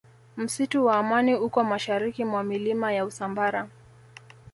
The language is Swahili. msitu wa amani uko mashariki mwa milima ya usambara